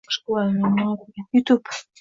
youtube